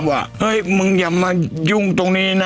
เฮ้ยมึงอย่ามายุ่งตรงนี้นะ